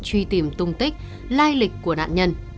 truy tìm tung tích lai lịch của nạn nhân